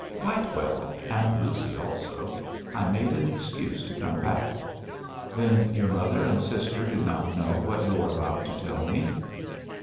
'Quite well; and Lucy also. I made an excuse to come back.' 'Then your mother and sister do not know what you are about to tell me?'